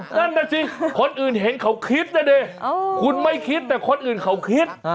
นั่นน่ะสิคนอื่นเห็นเขาคิดนะดิคุณไม่คิดแต่คนอื่นเขาคิด